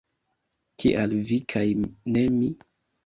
Kial vi kaj ne mi?